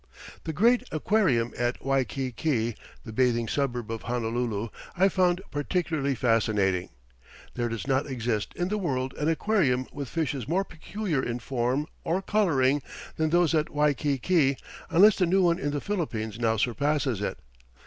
The great aquarium at Waikiki, the bathing suburb of Honolulu, I found particularly fascinating. There does not exist in the world an aquarium with fishes more peculiar in form or colouring than those at Waikiki, unless the new one in the Philippines now surpasses it.